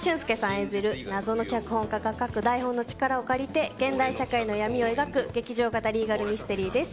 演じる謎の脚本家が書く台本の力を借りて、現代社会の闇を描く劇場型リーガルミステリーです。